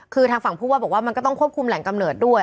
คือทางฝั่งผู้ว่าบอกว่ามันก็ต้องควบคุมแหล่งกำเนิดด้วย